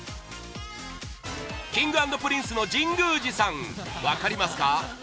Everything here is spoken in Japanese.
Ｋｉｎｇ＆Ｐｒｉｎｃｅの神宮寺さん、分かりますか？